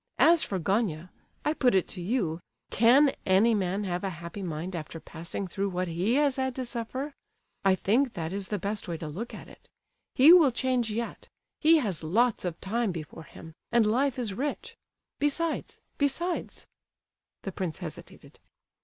As for Gania, I put it to you, can any man have a happy mind after passing through what he has had to suffer? I think that is the best way to look at it. He will change yet, he has lots of time before him, and life is rich; besides—besides..." the prince hesitated.